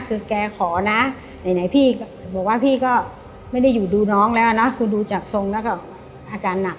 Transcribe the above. คือแกขอนะไหนพี่ก็บอกว่าพี่ก็ไม่ได้อยู่ดูน้องแล้วนะคือดูจากทรงแล้วก็อาการหนัก